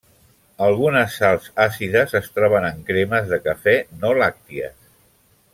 Algunes sals àcides es troben en cremes de cafè no làcties.